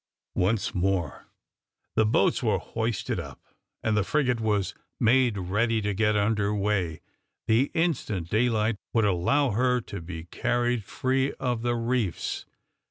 Once more the boats were hoisted up, and the frigate was made ready to get under weigh the instant daylight would allow her to be carried free of the reefs.